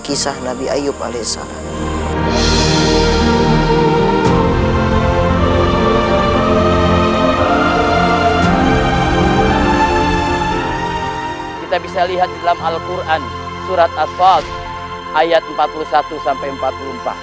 kita bisa lihat dalam al quran surat as saud ayat empat puluh satu empat puluh empat